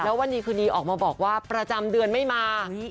แล้ววันดีคืนดีออกมาบอกว่าประจำเดือนไม่มา